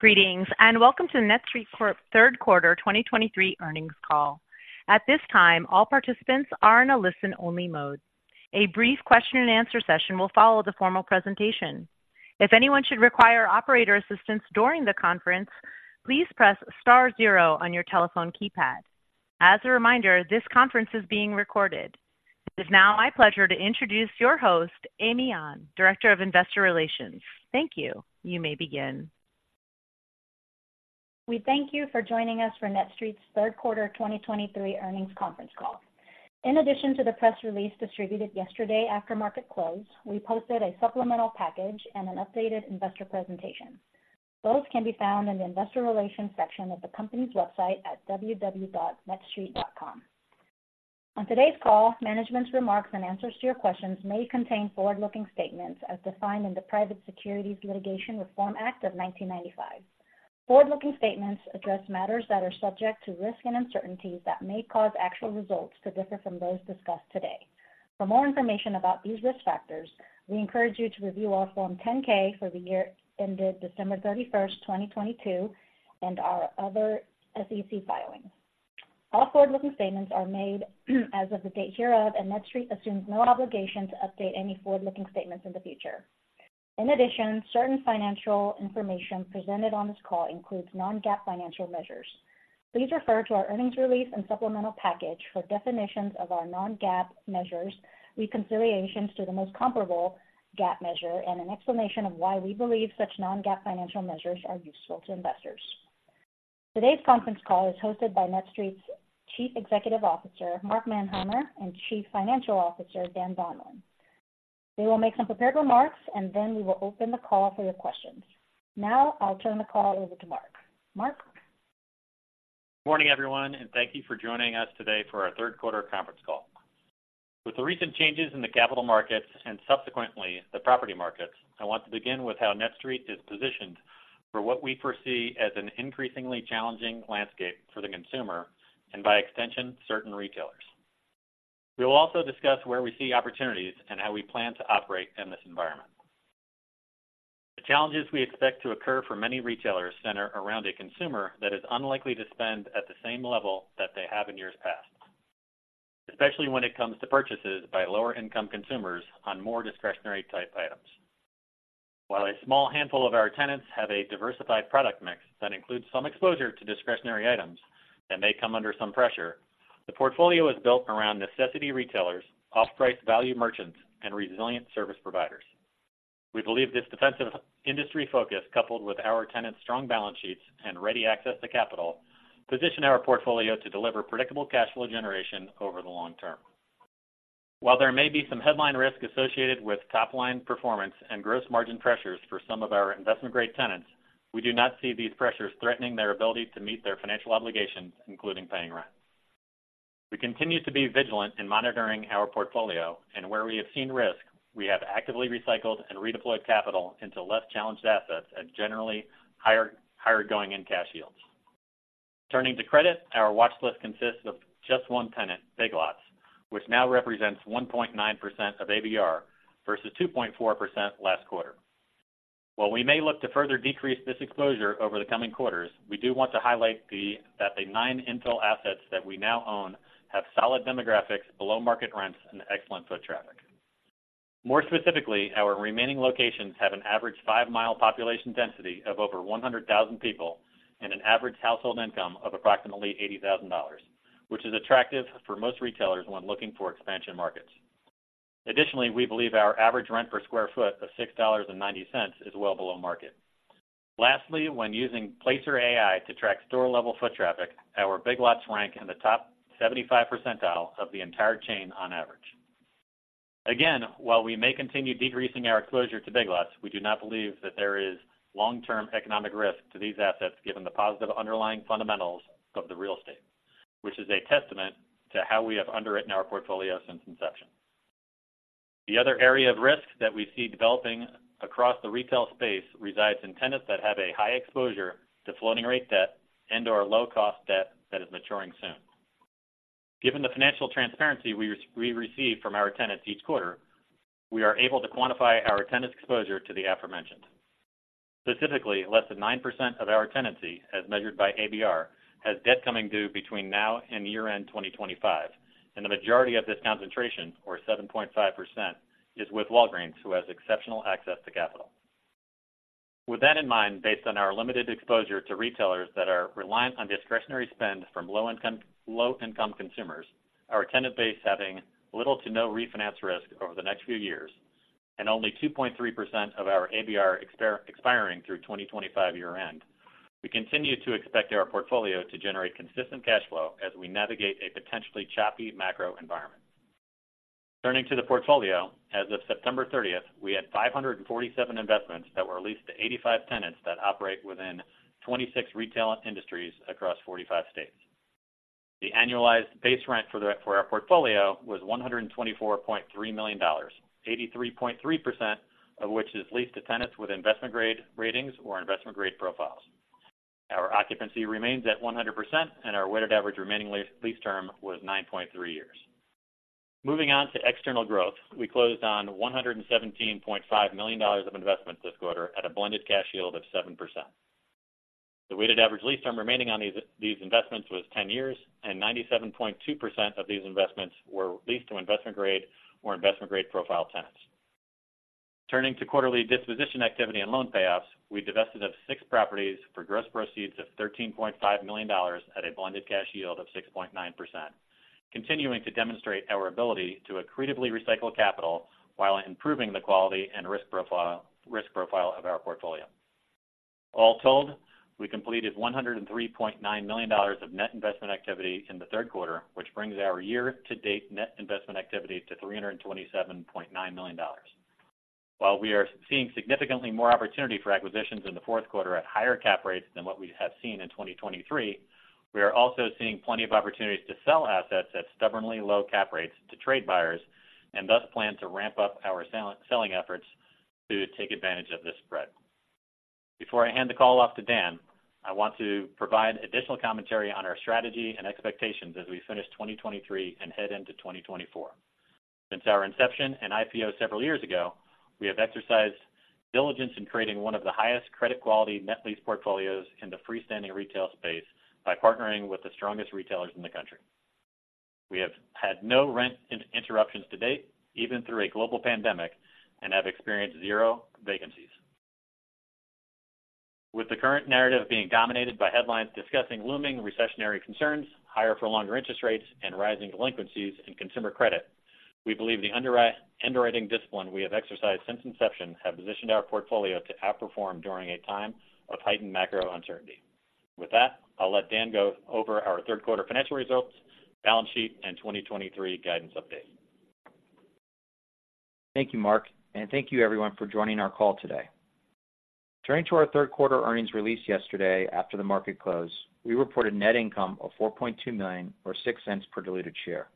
Greetings, and welcome to the NETSTREIT's Q3 2023 Earnings Call. At this time, all participants are in a listen-only mode. A brief question and answer session will follow the formal presentation. If anyone should require operator assistance during the conference, please press star zero on your telephone keypad. As a reminder, this conference is being recorded. It is now my pleasure to introduce your host, Amy An, Director of Investor Relations. Thank you. You may begin. We thank you for joining us for NETSTREIT's Q3 2023 Earnings Conference call. In addition to the press release distributed yesterday after market close, we posted a supplemental package and an updated investor presentation. Both can be found in the investor relations section of the company's website at www.netstreit.com. On today's call, management's remarks and answers to your questions may contain forward-looking statements as defined in the Private Securities Litigation Reform Act of 1995. Forward-looking statements address matters that are subject to risks and uncertainties that may cause actual results to differ from those discussed today. For more information about these risk factors, we encourage you to review our Form 10-K for the year ended December 31, 2022, and our other SEC filings. All forward-looking statements are made as of the date hereof, and NETSTREIT assumes no obligation to update any forward-looking statements in the future. In addition, certain financial information presented on this call includes non-GAAP financial measures. Please refer to our earnings release and supplemental package for definitions of our non-GAAP measures, reconciliations to the most comparable GAAP measure, and an explanation of why we believe such non-GAAP financial measures are useful to investors. Today's Conference Call is hosted by NETSTREIT's Chief Executive Officer, Mark Manheimer, and Chief Financial Officer, Dan Donlan. They will make some prepared remarks, and then we will open the call for your questions. Now, I'll turn the call over to Mark. Mark? Good morning, everyone, and thank you for joining us today for our Q3 conference call. With the recent changes in the capital markets and subsequently the property markets, I want to begin with how NETSTREIT is positioned for what we foresee as an increasingly challenging landscape for the consumer and by extension, certain retailers. We will also discuss where we see opportunities and how we plan to operate in this environment. The challenges we expect to occur for many retailers center around a consumer that is unlikely to spend at the same level that they have in years past, especially when it comes to purchases by lower-income consumers on more discretionary-type items. While a small handful of our tenants have a diversified product mix that includes some exposure to discretionary items that may come under some pressure, the portfolio is built around necessity retailers, off-price value merchants, and resilient service providers. We believe this defensive industry focus, coupled with our tenants' strong balance sheets and ready access to capital, position our portfolio to deliver predictable cash flow generation over the long term. While there may be some headline risk associated with top-line performance and gross margin pressures for some of our investment-grade tenants, we do not see these pressures threatening their ability to meet their financial obligations, including paying rent. We continue to be vigilant in monitoring our portfolio, and where we have seen risk, we have actively recycled and redeployed capital into less challenged assets at generally higher, higher going-in cash yields. Turning to credit, our watch list consists of just one tenant, Big Lots, which now represents 1.9% of ABR, versus 2.4% last quarter. While we may look to further decrease this exposure over the coming quarters, we do want to highlight that the 9 infill assets that we now own have solid demographics, below-market rents, and excellent foot traffic. More specifically, our remaining locations have an average 5-mile population density of over 100,000 people and an average household income of approximately $80,000, which is attractive for most retailers when looking for expansion markets. Additionally, we believe our average rent per sq ft of $6.90 is well below market. Lastly, when using Placer.ai to track store-level foot traffic, our Big Lots rank in the top 75th percentile of the entire chain on average. Again, while we may continue decreasing our exposure to Big Lots, we do not believe that there is long-term economic risk to these assets, given the positive underlying fundamentals of the Real Estate, which is a testament to how we have underwritten our portfolio since inception. The other area of risk that we see developing across the retail space resides in tenants that have a high exposure to floating rate debt and/or low-cost debt that is maturing soon. Given the financial transparency we receive from our tenants each quarter, we are able to quantify our tenants' exposure to the aforementioned. Specifically, less than 9% of our tenancy, as measured by ABR, has debt coming due between now and year-end 2025, and the majority of this concentration, or 7.5%, is with Walgreens, who has exceptional access to capital. With that in mind, based on our limited exposure to retailers that are reliant on discretionary spend from low-income consumers, our tenant base having little to no refinance risk over the next few years, and only 2.3% of our ABR expiring through 2025 year-end, we continue to expect our portfolio to generate consistent cash flow as we navigate a potentially choppy macro environment. Turning to the portfolio, as of September 30, we had 547 investments that were leased to 85 tenants that operate within 26 retail industries across 45 states. The annualized base rent for our portfolio was $124.3 million, 83.3% of which is leased to tenants with investment-grade ratings or investment-grade profiles. Our occupancy remains at 100%, and our weighted average remaining lease term was 9.3 years. Moving on to external growth. We closed on $117.5 million of investment this quarter at a blended cash yield of 7%. The weighted average lease term remaining on these investments was 10 years, and 97.2% of these investments were leased to Investment Grade or Investment Grade profile tenants. Turning to quarterly disposition activity and loan payoffs, we divested of 6 properties for gross proceeds of $13.5 million at a blended cash yield of 6.9%, continuing to demonstrate our ability to accretively recycle capital while improving the quality and risk profile of our portfolio. All told, we completed $103.9 million of net investment activity in the Q3, which brings our year-to-date net investment activity to $327.9 million. While we are seeing significantly more opportunity for acquisitions in the Q4 at higher cap rates than what we have seen in 2023, we are also seeing plenty of opportunities to sell assets at stubbornly low cap rates to trade buyers and thus plan to ramp up our selling efforts to take advantage of this spread. Before I hand the call off to Dan, I want to provide additional commentary on our strategy and expectations as we finish 2023 and head into 2024. Since our inception and IPO several years ago, we have exercised diligence in creating one of the highest credit quality net lease portfolios in the freestanding retail space by partnering with the strongest retailers in the country. We have had no rent interruptions to date, even through a global pandemic, and have experienced zero vacancies. With the current narrative being dominated by headlines discussing looming recessionary concerns, higher for longer interest rates, and rising delinquencies in consumer credit, we believe the underwriting discipline we have exercised since inception have positioned our portfolio to outperform during a time of heightened macro uncertainty. With that, I'll let Dan go over our Q3 financial results, balance sheet, and 2023 guidance update. Thank you, Mark, and thank you everyone for joining our call today. Turning to our Q3 earnings release yesterday after the market close, we reported net income of $4.2 million, or $0.06 per diluted share.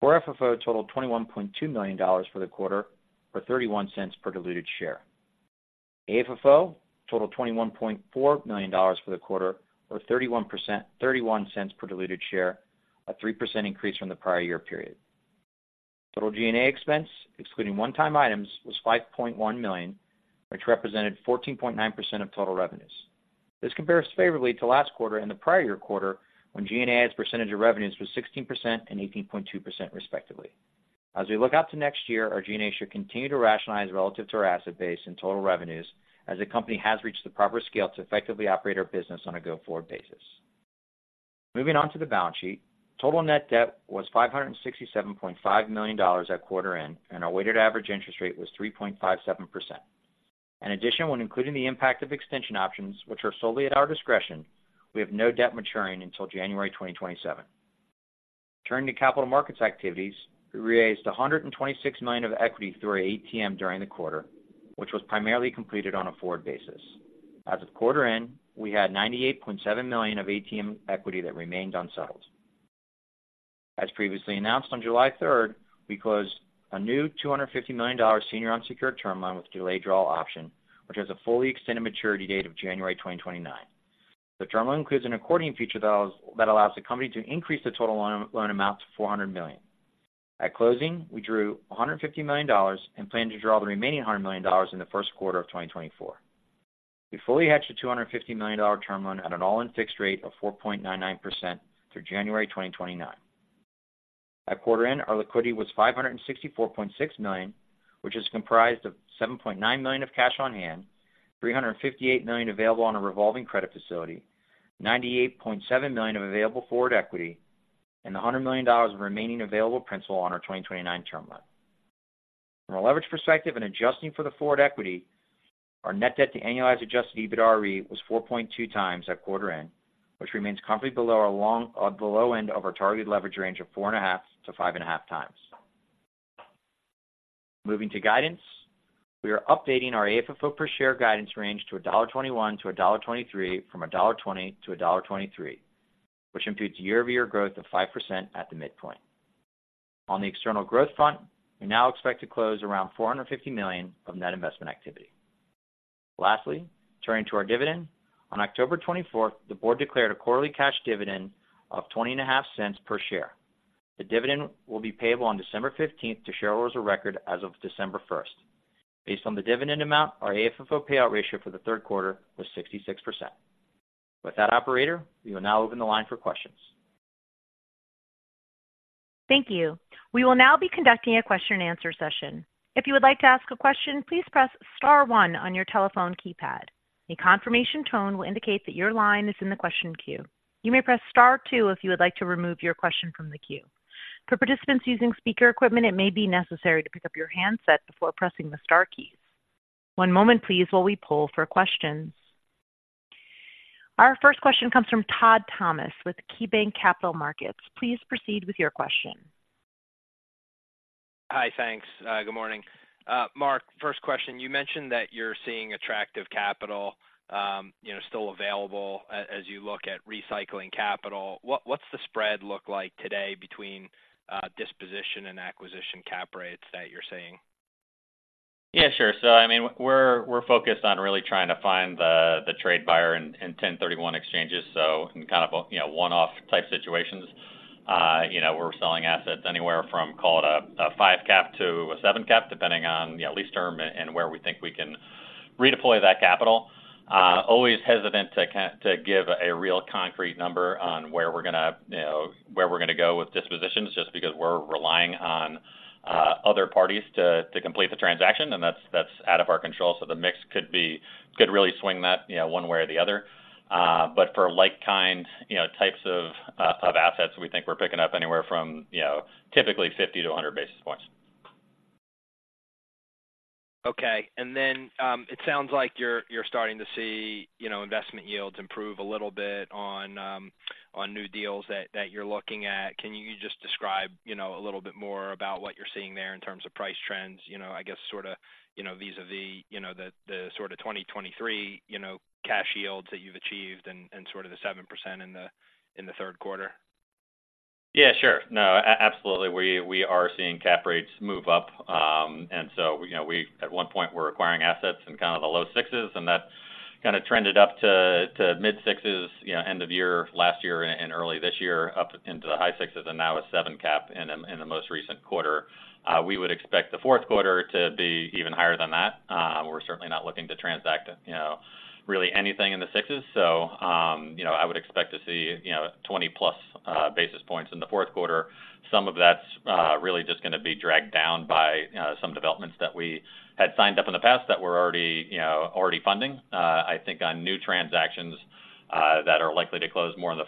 Core FFO totalled $21.2 million for the quarter, or $0.31 per diluted share. AFFO totalled $21.4 million for the quarter, or 31%—$0.31 per diluted share, a 3% increase from the prior year period. Total G&A expense, excluding one-time items, was $5.1 million, which represented 14.9% of total revenues. This compares favorably to last quarter and the prior year quarter, when G&A as a percentage of revenues was 16% and 18.2% respectively. As we look out to next year, our G&A should continue to rationalize relative to our asset base and total revenues, as the company has reached the proper scale to effectively operate our business on a go-forward basis. Moving on to the balance sheet. Total net debt was $567.5 million at quarter end, and our weighted average interest rate was 3.57%. In addition, when including the impact of extension options, which are solely at our discretion, we have no debt maturing until January 2027. Turning to capital markets activities, we raised $126 million of equity through our ATM during the quarter, which was primarily completed on a forward basis. As of quarter end, we had $98.7 million of ATM equity that remained unsettled. As previously announced on July third, we closed a new $250 million senior unsecured term loan with delayed draw option, which has a fully extended maturity date of January 2029. The term loan includes an accordion feature that allows the company to increase the total loan amount to $400 million. At closing, we drew $150 million and plan to draw the remaining $100 million in the Q1 of 2024. We fully hedged the $250 million term loan at an all-in fixed rate of 4.99% through January 2029. At quarter end, our liquidity was $564.6 million, which is comprised of $7.9 million of cash on hand, $358 million available on a revolving credit facility, $98.7 million of available forward equity, and $100 million of remaining available principal on our 2029 term loan. From a leverage perspective and adjusting for the forward equity, our net debt to annualized adjusted EBITDAre was 4.2x at quarter end, which remains comfortably below the low end of our targeted leverage range of 4.5-5.5x. Moving to guidance, we are updating our AFFO per share guidance range to $1.21-$1.23, from $1.20-$1.23, which imputes year-over-year growth of 5% at the midpoint. On the external growth front, we now expect to close around $450 million of net investment activity. Lastly, turning to our dividend. On October twenty-fourth, the board declared a quarterly cash dividend of $0.205 per share. The dividend will be payable on December fifteenth to shareholders of record as of December first. Based on the dividend amount, our AFFO payout ratio for the Q3 was 66%. With that, operator, we will now open the line for questions. Thank you. We will now be conducting a question-and-answer session. If you would like to ask a question, please press star one on your telephone keypad. A confirmation tone will indicate that your line is in the question queue. You may press star two if you would like to remove your question from the queue. For participants using speaker equipment, it may be necessary to pick up your handset before pressing the star keys. One moment please while we poll for questions. Our first question comes from Todd Thomas with KeyBanc Capital Markets. Please proceed with your question. Hi, thanks. Good morning. Mark, first question, you mentioned that you're seeing attractive capital, you know, still available as you look at recycling capital. What, what's the spread look like today between disposition and acquisition cap rates that you're seeing? Yeah, sure. We're focused on really trying to find the trade buyer in 10-31 exchanges. So in kind of a, you know, one-off type situations, you know, we're selling assets anywhere from call it a 5 cap to a 7 cap, depending on, you know, lease term and where we think we can redeploy that capital. Always hesitant to give a real concrete number on where we're going to, you know, where we're going to go with dispositions, just because we're relying on other parties to complete the transaction, and that's out of our control. So the mix could really swing that, you know, one way or the other. But for types of assets, we think we're picking up anywhere from, typically 50-100 basis points. Okay. And then, it sounds like you're starting to see, investment yields improve a little bit on new deals that you're looking at. Can you just describe ,a little bit more about what you're seeing there in terms of price trends? You know, the sort of 2023 cash yields that you've achieved, and the 7% in the Q3. Yeah, sure. No, absolutely, we are seeing cap rates move up. And so, we at one point, acquiring assets in kind of the low sixes, and that kind of trended up to mid-sixes, end of year, last year and early this year, up into the high sixes and now a 7 cap in the most recent quarter. We would expect the Q4 to be even higher than that. We're certainly not looking to transact, really anything in the sixes. I would expect to see, 20-plus basis points in the Q4. Some of that's really just going to be dragged down by some developments that we had signed up in the past that we're already, you know, funding. I think on new transactions, that are likely to close more in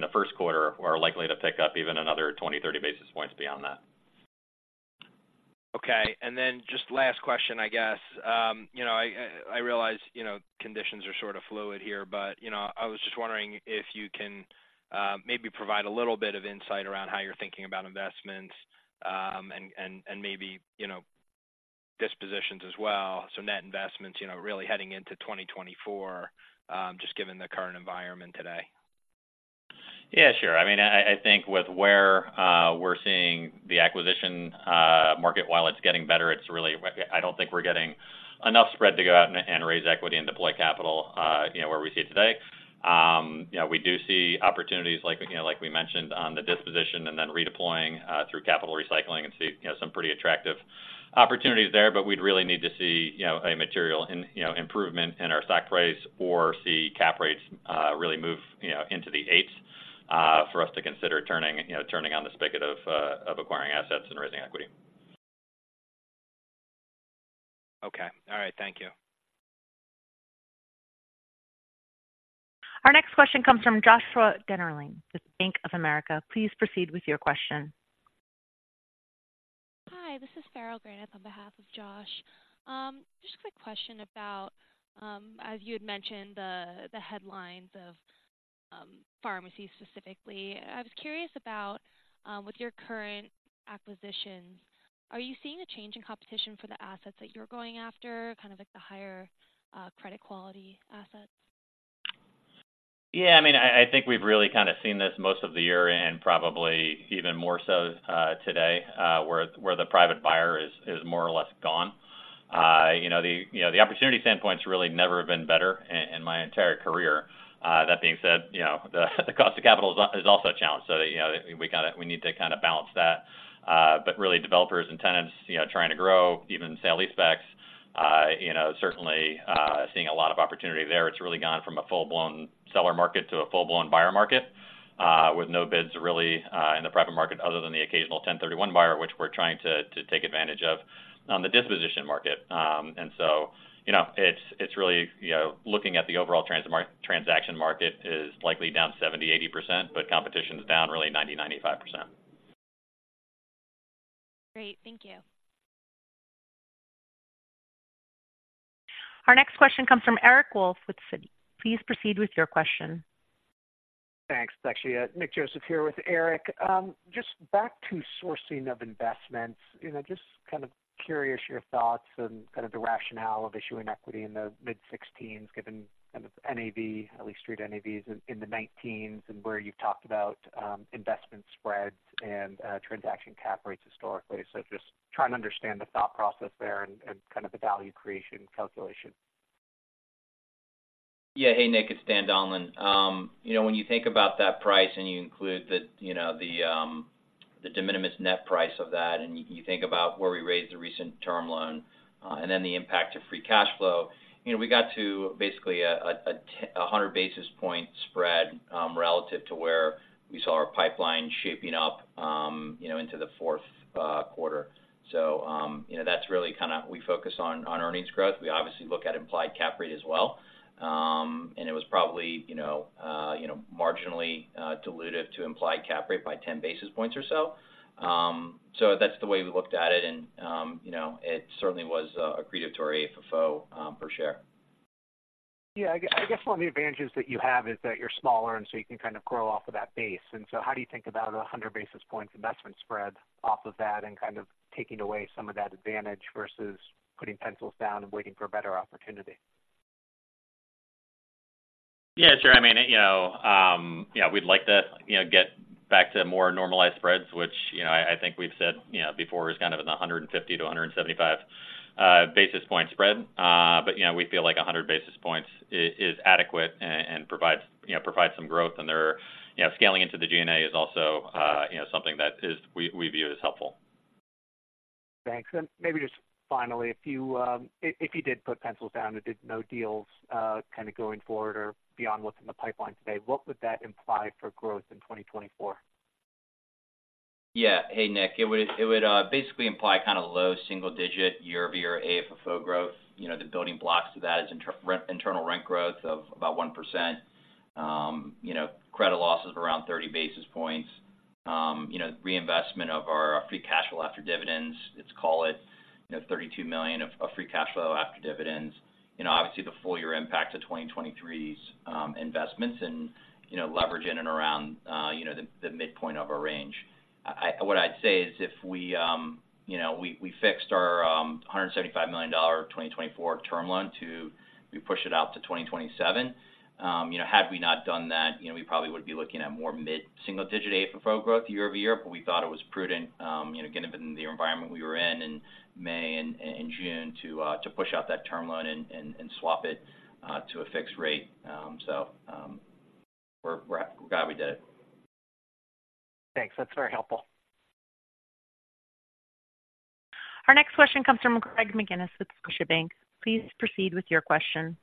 the Q1, we're likely to pick up even another 20-30 basis points beyond that. Okay. And then just last question. I realize, conditions are sort of fluid here, but, I was just wondering if you can provide a little bit of insight around how you're thinking about investments, and dispositions as well. So net investments, heading into 2024, just given the current environment today. Yeah, sure. With where we're seeing the acquisition market, while it's getting better, it's really... I don't think we're getting enough spread to go out and raise equity and deploy capital, where we see it today. You know, we do see opportunities like we mentioned, on the disposition and then redeploying through capital recycling and see, some pretty attractive opportunities there. But we'd really need to see, a material improvement in our stock price or see cap rates really move, into the eights, for us to consider turning, you know, turning on the spigot of acquiring assets and raising equity. Okay. All right. Thank you. Our next question comes from Joshua Dennerlein with Bank of America. Please proceed with your question. Hi, this is Farrell Granath on behalf of Josh. Just a quick question about, as you had mentioned, the headlines of pharmacies specifically. I was curious about, with your current acquisitions, are you seeing a change in competition for the assets that you're going after, like the higher credit quality assets? Yeah, I mean, I think we've really kind of seen this most of the year and probably even more so today, where the private buyer is more or less gone. You know, the opportunity standpoint's really never been better in my entire career. That being said, the cost of capital is also a challenge. So, we need to balance that. But really, developers and tenants, trying to grow, even sale-leasebacks, certainly seeing a lot of opportunity there. It's really gone from a full-blown seller market to a full-blown buyer market, with no bids really in the private market other than the occasional 1031 buyer, which we're trying to take advantage of on the disposition market. And so, looking at the overall transaction market is likely down 70%-80%, but competition is down really 90%-95%. Great. Thank you. Our next question comes from Eric Wolfe with Citi. Please proceed with your question. Thanks. Actually, Nick Joseph here for Eric. Just back to sourcing of investments, just curious of your thoughts and kind of the rationale of issuing equity in the mid-16s, given NAV, at least street NAVs in the 19s, and where you've talked about investment spreads and transaction cap rates historically. Just trying to understand the thought process there and kind of the value creation calculation. Yeah. Hey, Nick, it's Dan Donlan. When you think about that price and you include the de minimis net price of that, and you think about where we raised the recent term loan, and then the impact of free cash flow, we got to basically a 100 basis point spread relative to where we saw our pipeline shaping up, into the Q4. So, that's really kind of we focus on earnings growth. We obviously look at implied cap rate as well. It was probably, marginally dilutive to implied cap rate by 10 basis points or so. That's the way we looked at it, and it certainly was accretive to our AFFO per share. Yeah, I guess one of the advantages that you have is that you're smaller, and so you can grow off of that base. How do you think about 100 basis points investment spread off of that and kind of taking away some of that advantage versus putting pencils down and waiting for a better opportunity? Yeah, sure. We'd like to, get back to more normalized spreads, which, I think we've said, before, is in the 150-175 basis point spread. But, we feel like 100 basis points is adequate and, provides some growth. And there are... scaling into the G&A is also, something that we view as helpful. Thanks. And maybe just finally, if you did put pencils down and did no deals, what's in the pipeline today, what would that imply for growth in 2024? Yeah. Hey, Nick, it would basically imply low single digit year-over-year AFFO growth. The building blocks to that is internal rent growth of about 1%. Credit losses of around 30 basis points. Reinvestment of our free cash flow after dividends, let's call it, $32 million of free cash flow after dividends. Obviously, the full year impact to 2023's investments and, leverage in and around the midpoint of our range. What I'd say is, if we, we fixed our $175 million 2024 term loan to, we push it out to 2027. You know, had we not done that, we probably would be looking at more mid-single digit AFFO growth year-over-year. We thought it was prudent, given the environment we were in in May and June, to push out that term loan and swap it to a fixed rate. We're glad we did it. Thanks. That's very helpful. Our next question comes from Greg McGinniss with Scotiabank. Please proceed with your question.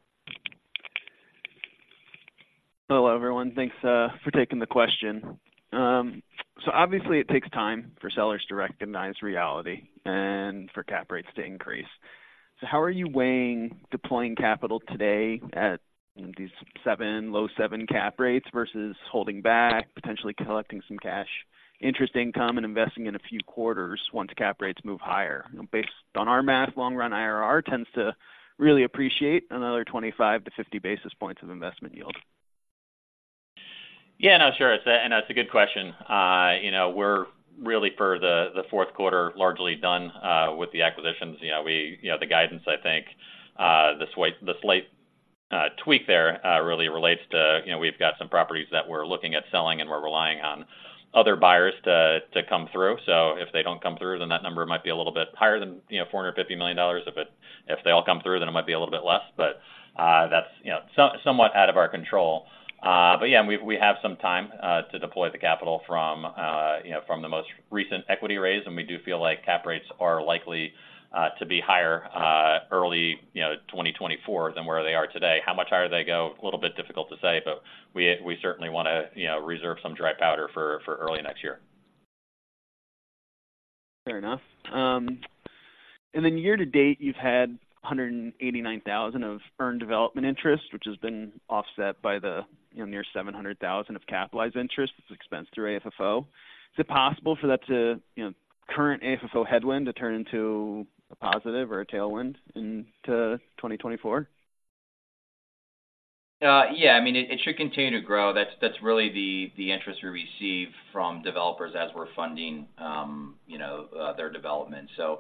Hello, everyone. Thanks for taking the question. Obviously, it takes time for sellers to recognize reality and for cap rates to increase. How are you weighing deploying capital today at, you know, these 7, low 7 cap rates versus holding back, potentially collecting some cash, interest income, and investing in a few quarters once cap rates move higher? Based on our math, long-run IRR tends to really appreciate another 25 to 50 basis points of investment yield. Yeah, no, sure. And that's a good question, we're really for the, the Q4, largely done with the acquisitions. You know, the guidance, I think, the slight tweak there really relates to, you know, we've got some properties that we're looking at selling, and we're relying on other buyers to come through. So if they don't come through, then that number might be a little bit higher than, you know, $450 million. If they all come through, then it might be a little bit less, but that's, you know, somewhat out of our control. But yeah, we have some time to deploy the capital from the most recent equity raise, and we do feel like cap rates are likely to be higher early 2024 than where they are today. How much higher they go? A little bit difficult to say, but, we certainly want to reserve some dry powder for early next year. Fair enough. And then year to date, you've had $189,000 of earned development interest, which has been offset by the, near $700,000 of capitalized interest. It's expensed through AFFO. Is it possible for that to current AFFO headwind to turn into a positive or a tailwind into 2024? Yeah. It should continue to grow. That's really the interest we receive from developers as we're funding their development. So,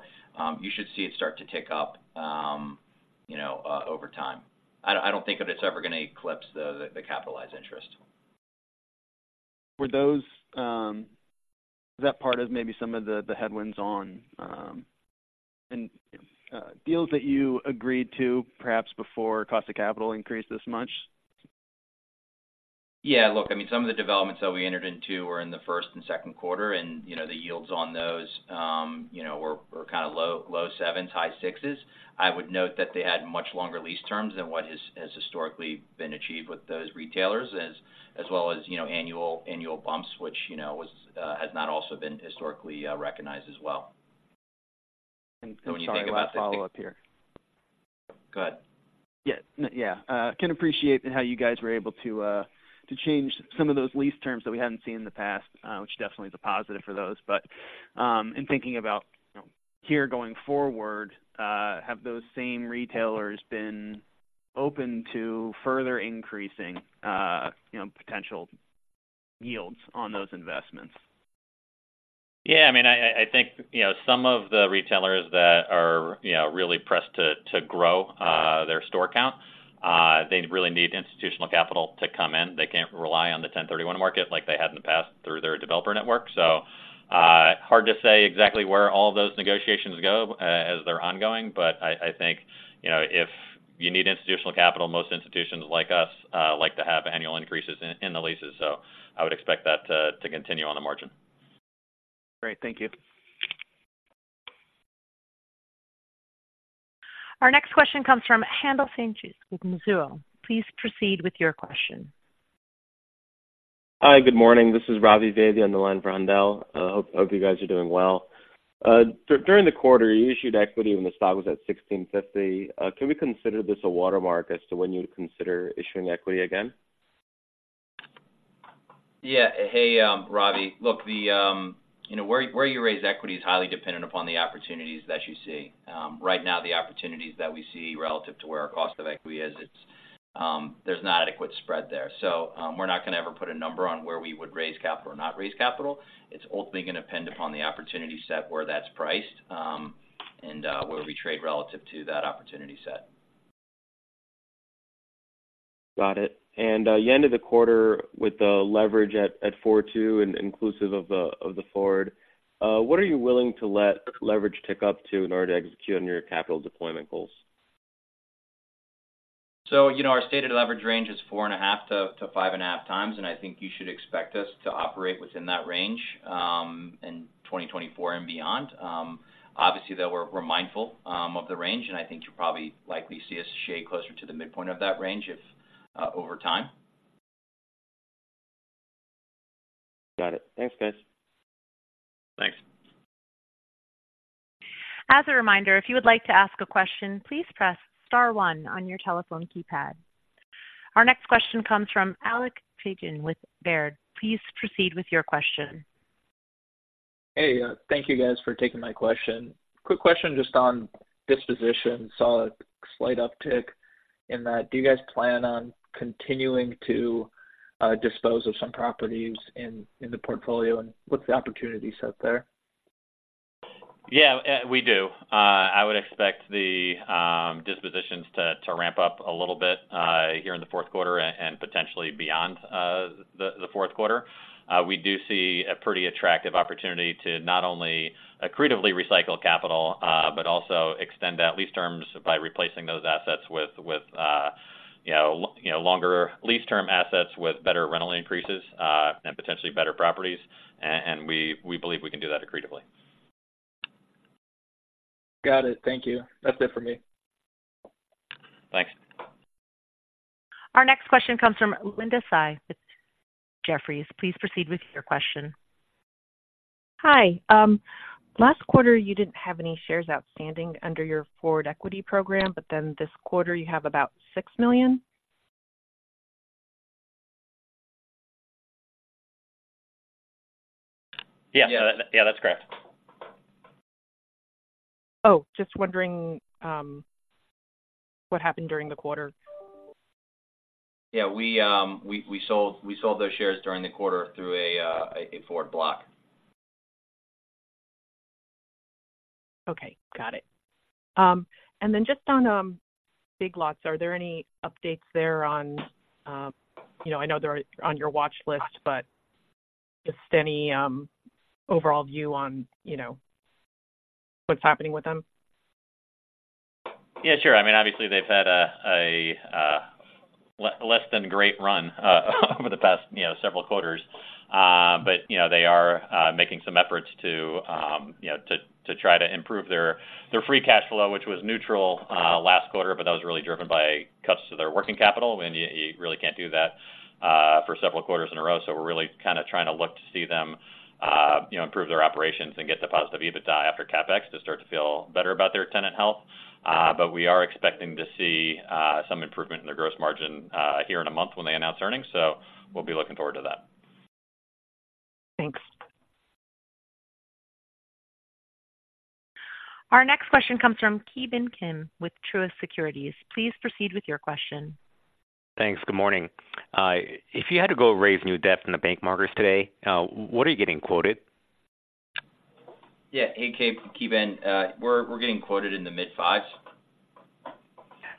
you should see it start to tick up, over time. I don't think that it's ever going to eclipse the capitalized interest. Were those, part of some of the headwinds on deals that you agreed to, perhaps before cost of capital increased this much? Yeah. Look, I mean, some of the developments that we entered into were in the first and Q2, and, the yields on those, were low sevens, high sixes. I would note that they had much longer lease terms than what has historically been achieved with those retailers, as well as, annual bumps, which has not also been historically recognized as well. Sorry, last follow-up here. Go ahead. Yeah. Yeah. Can appreciate how you guys were able to, to change some of those lease terms that we hadn't seen in the past, which definitely is a positive for those. But, in thinking about, here going forward, have those same retailers been open to further increasing, potential yields on those investments? Yeah, some of the retailers that are, really pressed to grow their store count, they really need institutional capital to come in. They can't rely on the 1031 market like they had in the past through their developer network. So, hard to say exactly where all those negotiations go, as they're ongoing, but I think, if you need institutional capital, most institutions like us like to have annual increases in the leases. I would expect that to continue on the margin. Great. Thank you. Our next question comes from Handel St-Juste with Mizuho. Please proceed with your question. Hi, good morning. This is Ravi Veeraraghavan on the line for Handel St-Juste. Hope you guys are doing well. During the quarter, you issued equity, and the stock was at $16.50. Can we consider this a watermark as to when you'd consider issuing equity again? Yeah. Hey, Ravi. Look, where you raise equity is highly dependent upon the opportunities that you see. Right now, the opportunities that we see relative to where our cost of equity is, it's, there's not adequate spread there. So, we're not going to ever put a number on where we would raise capital or not raise capital. It's ultimately going to depend upon the opportunity set, where that's priced, and where we trade relative to that opportunity set. Got it. You ended the quarter with the leverage at 4.2, and inclusive of the forward. What are you willing to let leverage tick up to in order to execute on your capital deployment goals? So, our stated leverage range is 4.5-5.5 times, and I think you should expect us to operate within that range in 2024 and beyond. Obviously, though, we're mindful of the range, and I think you'll probably likely see us stay closer to the midpoint of that range if over time. Got it. Thanks, guys. Thanks. As a reminder, if you would like to ask a question, please press star one on your telephone keypad. Our next question comes from Alex Pigen with Baird. Please proceed with your question. Hey, thank you, guys, for taking my question. Quick question just on disposition. Saw a slight uptick in that. Do you guys plan on continuing to dispose of some properties in, the portfolio, and what's the opportunity set there? Yeah, we do. I would expect the dispositions to ramp up a little bit here in the Q4 and potentially beyond the Q4. We do see a pretty attractive opportunity to not only accretively recycle capital, but also extend out lease terms by replacing those assets with longer lease term assets with better rental increases, and potentially better properties. And we believe we can do that accretively. Got it. Thank you. That's it for me. Thanks. Our next question comes from Linda Tsai with Jefferies. Please proceed with your question. Hi. Last quarter, you didn't have any shares outstanding under your Forward Equity program, but then this quarter, you have about 6 million? Yeah. Yeah, that's correct. Oh, just wondering, what happened during the quarter? Yeah, we sold those shares during the quarter through a forward block. Okay, got it. And then just on Big Lots, are there any updates there on,... I know they're on your watchlist, but just any overall view on, what's happening with them? Yeah, sure. Obviously, they've had less than great run over the past, several quarters. But, they are making some efforts to try to improve their free cash flow, which was neutral last quarter, but that was really driven by cuts to their working capital, and you really can't do that for several quarters in a row. So we're really kind of trying to look to see them improve their operations and get to positive EBITDA after CapEx to start to feel better about their tenant health. But we are expecting to see some improvement in their gross margin here in a month when they announce earnings, so we'll be looking forward to that. Thanks. Our next question comes from Ki Bin Kim with Truist Securities. Please proceed with your question. Thanks. Good morning. If you had to go raise new debt in the bank markets today, what are you getting quoted? Yeah. Hey, Ki Bin. We're, we're getting quoted in the mid fives.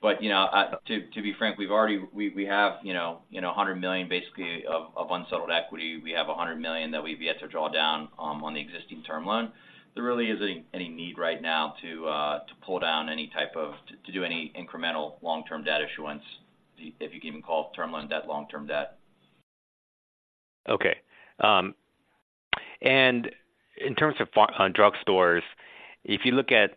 But, to be frank, we've already-- we have, $100 million basically of, of unsettled equity. We have $100 million that we've yet to draw down on the existing term loan. There really isn't any need right now to, to pull down any type of-- to, to do any incremental long-term debt issuance, if you can even call term loan debt long-term debt. Okay. In terms of fa-- on drugstores, if you look at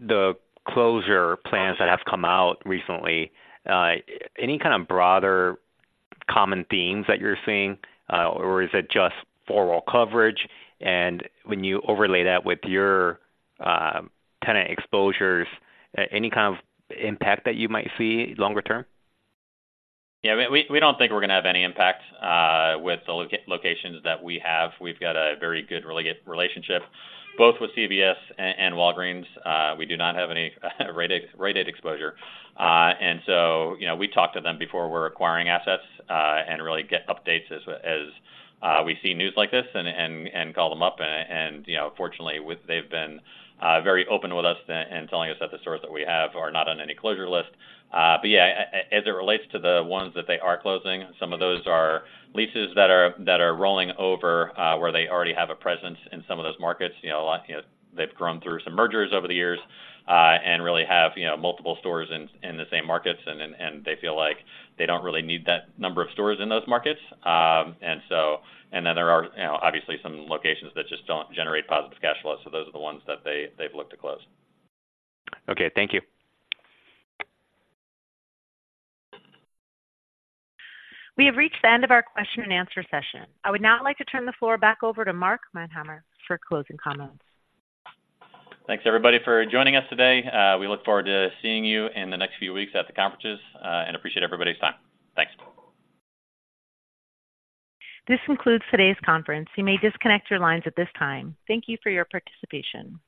the closure plans that have come out recently, any kind of broader common themes that you're seeing, or is it just forward coverage? When you overlay that with your tenant exposures, any kind of impact that you might see longer term? Yeah, we don't think we're going to have any impact with the locations that we have. We've got a very good relationship both with CVS and Walgreens. We do not have any rate date exposure. We talk to them before we're acquiring assets and really get updates as we see news like this and call them up. Fortunately, they've been very open with us and telling us that the stores that we have are not on any closure list. Yeah, as it relates to the ones that they are closing, some of those are leases that are rolling over where they already have a presence in some of those markets. a lot, they've grown through some mergers over the years, and have multiple stores in the same markets, and then, they feel like they don't really need that number of stores in those markets. And so, there are, obviously some locations that just don't generate positive cash flow, so those are the ones that they've looked to close. Okay, thank you. We have reached the end of our question and answer session. I would now like to turn the floor back over to Mark Manheimer for closing comments. Thanks, everybody, for joining us today. We look forward to seeing you in the next few weeks at the conferences, and appreciate everybody's time. Thanks. This concludes today's conference. You may disconnect your lines at this time. Thank you for your participation.